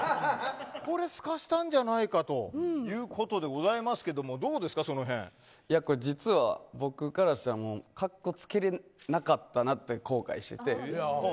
これ、すかしたんじゃないかということでございますけどもこれ実は僕からしたら格好つけれなかったなと後悔してて。